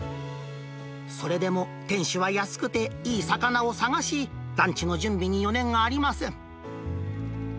それでも店主は安くていい魚を探し、ランチの準備に余念がありません。